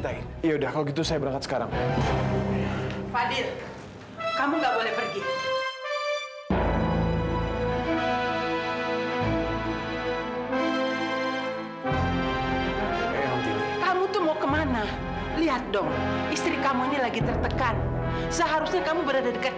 tapi tapi saya belum lihat lagi dokter